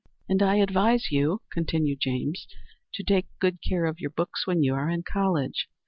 "And I advise you," continued James, "to take good care of your books when you are in college.